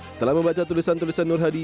setelah membaca tulisan tulisan nur hadi